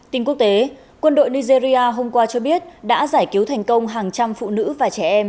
tin quốc tế quân đội nigeria hôm qua cho biết đã giải cứu thành công hàng trăm phụ nữ và trẻ em